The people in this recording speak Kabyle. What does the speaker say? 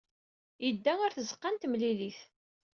Yedda ɣer tzeɣɣa n temlilit.